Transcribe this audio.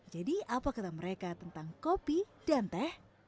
jadi apa kata mereka tentang kopi dan teh